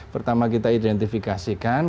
pertama kita identifikasikan